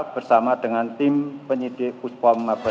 bersama dengan tim penyidik utpam mabes